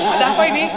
ada apa ini